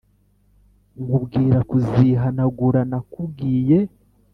nkubwira kuzihanagura nakubwiye